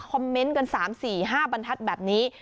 คอมเมนต์กันสามสี่ห้าบรรทัดแบบนี้